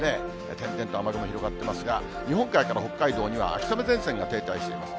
点々と雨雲広がっていますが、日本海から北海道には秋雨前線が停滞しています。